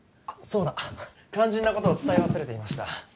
そうだ肝心なことを伝え忘れていました